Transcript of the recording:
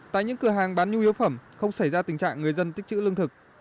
tại những cửa hàng bán nhu yếu phẩm không xảy ra tình trạng người dân tích chữ lương thực